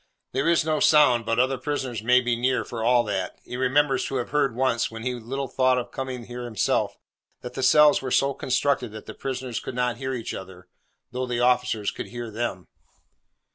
There is no sound, but other prisoners may be near for all that. He remembers to have heard once, when he little thought of coming here himself, that the cells were so constructed that the prisoners could not hear each other, though the officers could hear them.